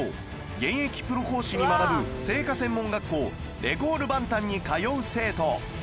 現役プロ講師に学ぶ製菓専門学校レコールバンタンに通う生徒